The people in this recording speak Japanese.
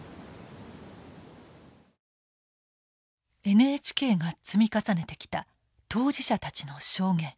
ＮＨＫが積み重ねてきた当事者たちの証言。